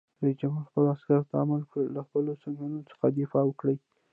رئیس جمهور خپلو عسکرو ته امر وکړ؛ له خپلو سنگرونو څخه دفاع وکړئ!